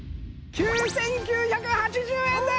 ９９８０円です！